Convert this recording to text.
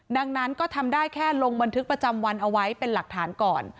ดังนั้นก็ทำได้แค่ลงบันทึกประจำวันเอาไว้เป็นหลักฐานก่อน